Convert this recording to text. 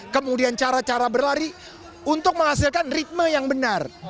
kemudian cara cara berlari untuk menghasilkan ritme yang benar